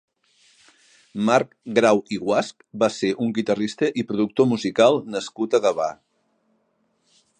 Marc Grau i Guasch va ser un guitarrista i productor musical nascut a Gavà.